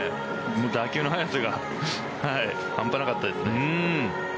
打球の速さが半端なかったですね。